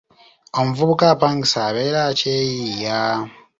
Omuvubuka apangisa abeera akyeyiiya.